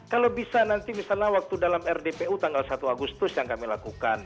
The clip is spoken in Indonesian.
kalau bisa nanti misalnya waktu dalam rdpu tanggal satu agustus yang kami lakukan